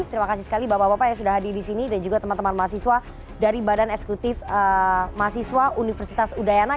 terima kasih sekali bapak bapak yang sudah hadir di sini dan juga teman teman mahasiswa dari badan eksekutif mahasiswa universitas udayana